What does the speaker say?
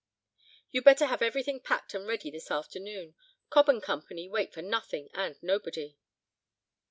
You'd better have everything packed and ready this afternoon. Cobb and Co. wait for nothing and nobody."